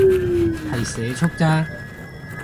係社畜咋